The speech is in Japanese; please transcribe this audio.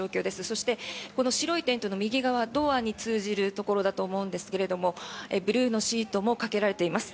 そしてこの白いテントの右側ドアに通じるところだと思いますがブルーのシートもかけられています。